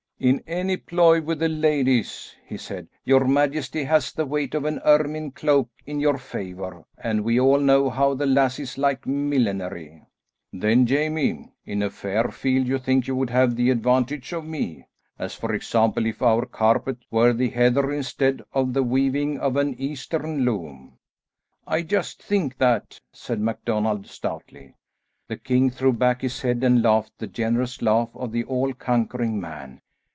"In any ploy with the ladies," he said, "your majesty has the weight of an ermine cloak in your favour, and we all know how the lassies like millinery." "Then, Jamie, in a fair field, you think you would have the advantage of me, as for example if our carpet were the heather instead of the weaving of an Eastern loom?" "I just think that," said MacDonald stoutly. The king threw back his head and laughed the generous laugh of the all conquering man.